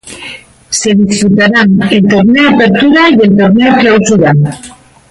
Se disputarán el Torneo Apertura y el Torneo Clausura.